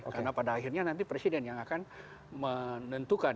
karena pada akhirnya nanti presiden yang akan menentukan